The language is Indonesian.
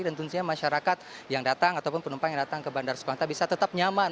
dan tentunya masyarakat yang datang ataupun penumpang yang datang ke bandar soekarno hatta bisa tetap nyaman